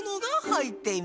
はい！